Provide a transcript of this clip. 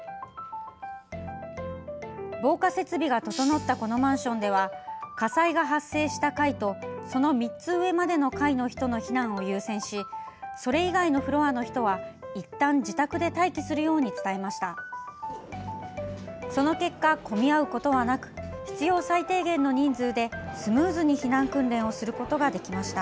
防火設備が整ったこのマンションでは火災が発生した階とその３つ上までの階の人の避難を優先しそれ以外のフロアの人はその結果、混み合うことはなく必要最低限の人数でスムーズに避難訓練をすることができました。